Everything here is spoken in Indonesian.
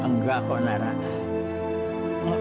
enggak kok narada